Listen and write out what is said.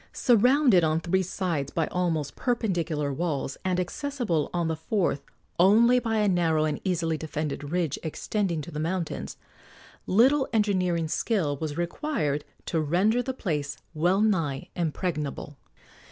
Surrounded on three sides by almost perpendicular walls, and accessible on the fourth only by a narrow and easily defended ridge extending to the mountains, little engineering skill was required to render the place well nigh impregnable.